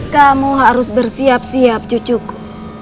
kamu harus bersiap siap cucuku